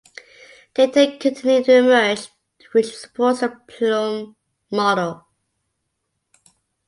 Data continue to emerge which supports the plume model.